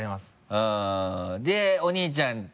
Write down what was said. あっでお兄ちゃん。